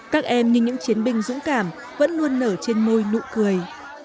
các em như những chiến binh dũng cảm vẫn luôn nở trên môi nụ cười